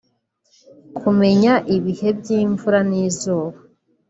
kumenya ibihe by’imvura n’izuba